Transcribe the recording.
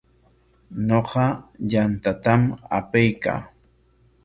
Ñuqa yantatam apaykaa.